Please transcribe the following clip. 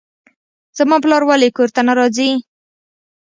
زما پلار ولې کور ته نه راځي.